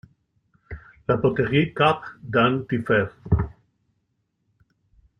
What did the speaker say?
La Poterie-Cap-d'Antifer